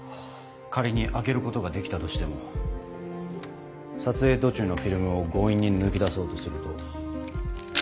仮に開けることができたとしても撮影途中のフィルムを強引に抜き出そうとすると。